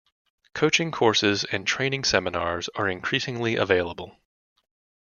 Coaching courses and training seminars are increasingly available.